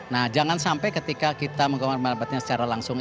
nah jangan sampai ketika kita mengumpulkan pendapatnya secara langsung